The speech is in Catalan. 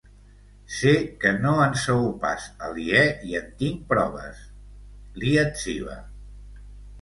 Sé que no en sou pas aliè i en tinc proves, li etziba.